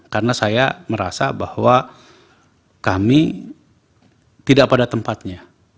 karena saya merasa bahwa kami tidak pada tempatnya